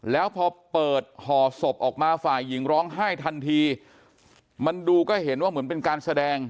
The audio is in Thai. แล้วพอเปิดห่อศพออกมาฝ่ายหญิงร้องไห้ทันทีมันดูก็เห็นว่าเหมือนเป็นการแสดง